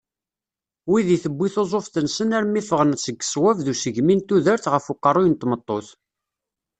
Wid i tewwi tuzzuft-nsen armi ffɣen seg sswab d usegmi n tudert ɣef uqerruy n tmeṭṭut.